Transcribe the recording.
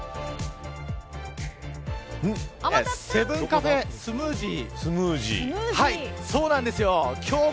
セブンカフェスムージー。